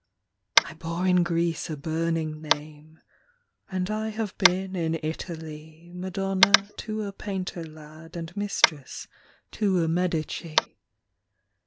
I bore in Greece a burning name, And I have been in Italy Madonna to a painter lad, And mistress to a Medici.